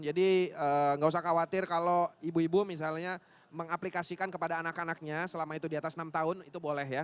jadi gak usah khawatir kalau ibu ibu misalnya mengaplikasikan kepada anak anaknya selama itu di atas enam tahun itu boleh ya